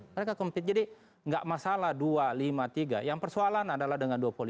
mereka kempit jadi tidak masalah dua lima tiga yang persoalan adalah dengan dua poli